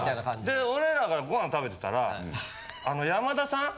で俺らがご飯食べてたら山田さん